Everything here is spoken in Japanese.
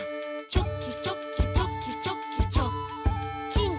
「チョキチョキチョキチョキチョッキン！」